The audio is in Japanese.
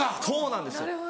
そうなんですよ。